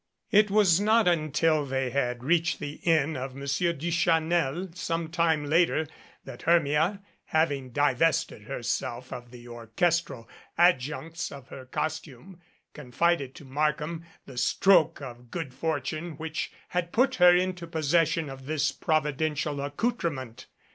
It was not until they had reached the Inn of Mon sieur Duchanel some time later that Hermia, having di vested herself of the orchestral adjuncts of her costume, confided to Markham the stroke of good fortune which had put her into possession of this providential accoutre ment.